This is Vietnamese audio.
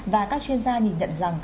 và các chuyên gia nhìn nhận rằng